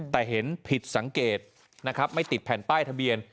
แต่เห็นผิดสังเกตนะครับไม่ติดแผ่นป้ายทะเบียน